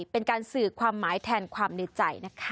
เป็นการสื่อความหมายแทนความในใจนะคะ